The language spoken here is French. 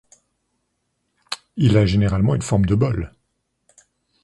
Il a généralement une forme de bol.